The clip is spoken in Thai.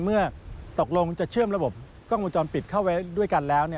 เมื่อตกลงจะเชื่อมระบบกล้องวงจรปิดเข้าไปด้วยกันแล้ว